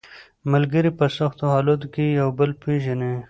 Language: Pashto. ملګري په سختو حالاتو کې یو بل پېژني